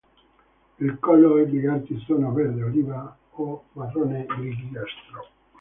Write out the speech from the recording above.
Il collo e gli arti sono verde oliva o marrone grigiastro.